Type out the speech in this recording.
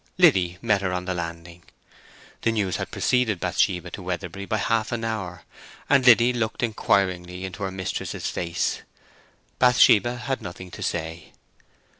Liddy met her on the landing. The news had preceded Bathsheba to Weatherbury by half an hour, and Liddy looked inquiringly into her mistress's face. Bathsheba had nothing to say.